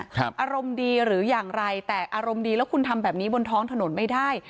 อารมณ์ดีหรืออย่างไรแต่อารมณ์ดีแล้วคุณทำแบบนี้บนท้องถนนไม่ได้